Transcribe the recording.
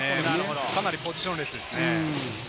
かなりポジションレスですね。